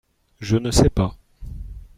Je ne sais pas.